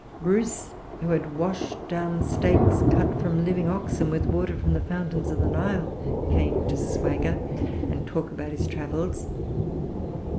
Bruce, who had washed down steaks cut from living oxen with water from the fountains of the Nile, came to swagger and talk about his travels.